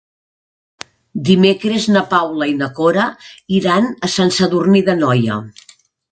Dimecres na Paula i na Cora iran a Sant Sadurní d'Anoia.